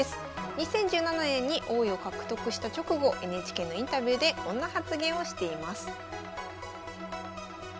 ２０１７年に王位を獲得した直後ＮＨＫのインタビューでこんな発言をしています。